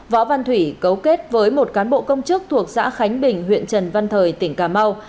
võ văn thủy cấu kết với một cán bộ công chức thuộc xã khánh bình huyện trần văn thời tỉnh cà mau